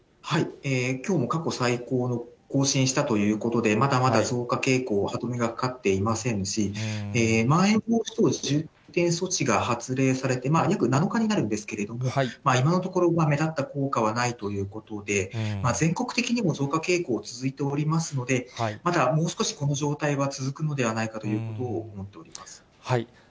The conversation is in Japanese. きょうも過去最高を更新したということで、まだまだ増加傾向、歯止めがかかっていませんし、まん延防止等重点措置が発令されて、約７日になるんですけれども、今のところ、目立った効果はないということで、全国的にも増加傾向、続いておりますので、まだもう少しこの状態は続くのではないかということを思っております。